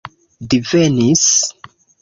divenis